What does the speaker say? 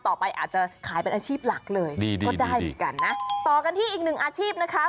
ต่อไปอาจจะขายเป็นอาชีพหลักเลยก็ได้เหมือนกันนะต่อกันที่อีกหนึ่งอาชีพนะคะ